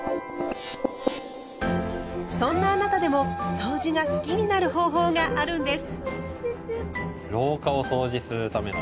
そんなあなたでもそうじが好きになる方法があるんです。